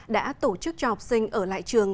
đã tổ chức cho học sinh ở lại trường